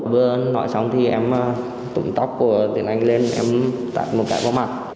vừa nói xong thì em tụng tóc của tiến ánh lên em tạm một cái vào mặt